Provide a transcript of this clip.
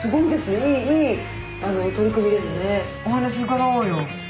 お話伺おうよ。